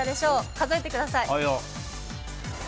数えてください。